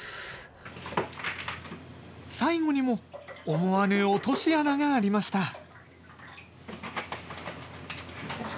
最後にも思わぬ落とし穴がありました。